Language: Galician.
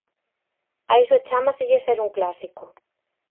A iso chámaselle ser un clásico.